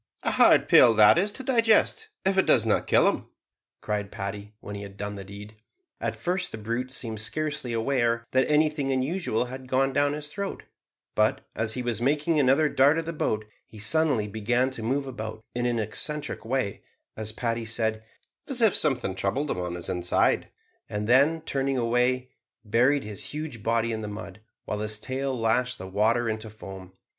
"A hard pill that to digest, if it does not kill him," cried Paddy, when he had done the deed. At first the brute seemed scarcely aware that anything unusual had gone down his throat; but, as he was making another dart at the boat, he suddenly began to move about in an eccentric way as Paddy said, "as if something troubled him in his inside," and then, turning away, buried his huge body in the mud, while his tail lashed the water into foam.